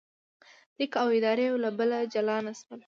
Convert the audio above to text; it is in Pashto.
لیک او اداره یو له بله جلا نه شول.